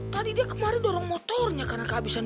tadi dia kemarin dorong motornya karena kehabisan